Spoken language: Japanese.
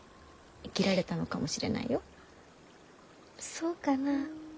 そうかな？